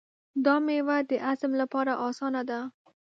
دا مېوه د هضم لپاره اسانه ده.